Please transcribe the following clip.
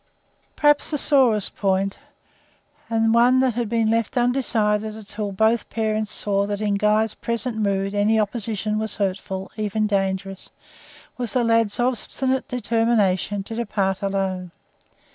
Perhaps the sorest point, and one that had been left undecided till both parents saw that in Guy's present mood any opposition was hurtful, even dangerous, was the lad's obstinate determination to depart alone.